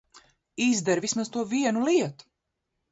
Izdari vismaz to vienu lietu!